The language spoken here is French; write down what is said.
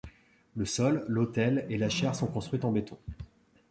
Le sol, l'autel et la chaire sont construites en béton.